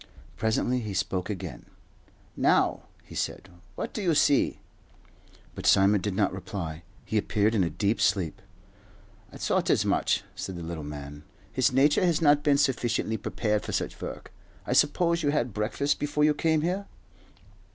Presently he spoke again. "Now," he said, "what do you see?" But Simon did not reply. He appeared in a deep sleep. "I thought as much," said the little man. "His nature has not been sufficiently prepared for such work. I suppose you had breakfast before you came here?"